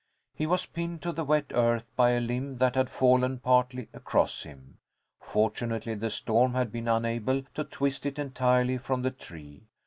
He was pinned to the wet earth by a limb that had fallen partly across him. Fortunately, the storm had been unable to twist it entirely from the tree.